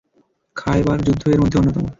খায়বার যুদ্ধ এর মধ্যে অন্যতম।